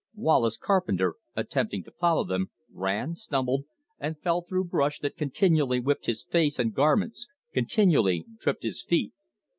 Wallace Carpenter, attempting to follow them, ran, stumbled, and fell through brush that continually whipped his face and garments, continually tripped his feet.